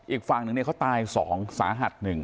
อีกฝั่งหนึ่งเนี่ยเขาตาย๒สาหัส๑